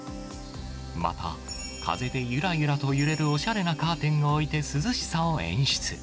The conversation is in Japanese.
また、風でゆらゆらと揺れる、おしゃれなカーテンを置いて、涼しさを演出。